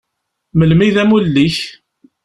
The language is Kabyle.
Melmi i d amulli-k?